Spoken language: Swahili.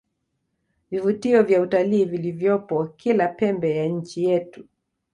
vivutio vya utalii vilivyopo kila pembe ya nchi yetu